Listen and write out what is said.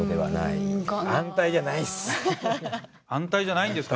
安泰じゃないんですか？